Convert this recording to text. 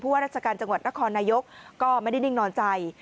ว่าราชการจังหวัดนครนายกก็ไม่ได้นิ่งนอนใจ